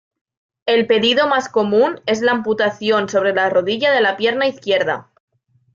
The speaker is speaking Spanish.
El pedido más común es la amputación sobre la rodilla de la pierna izquierda.